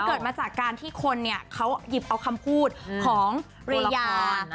เกิดมาจากการที่คนเนี่ยเขาหยิบเอาคำพูดของเรยา